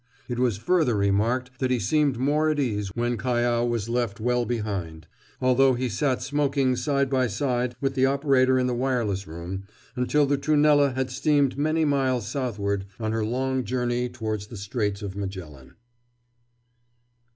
It was further remarked that he seemed more at ease when Callao was left well behind, although he sat smoking side by side with the operator in the wireless room until the Trunella had steamed many miles southward on her long journey towards the Straits of Magellan.